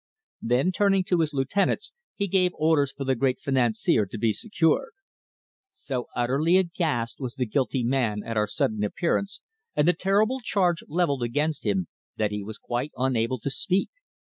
Then turning to his lieutenants, he gave orders for the great financier to be secured. So utterly aghast was the guilty man at our sudden appearance, and the terrible charge levelled against him, that he was quite unable to speak.